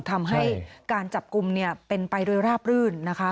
ทำให้การจับกลุ่มเป็นไปโดยราบรื่นนะคะ